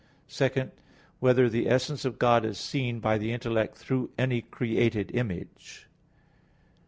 (2) Whether the essence of God is seen by the intellect through any created image?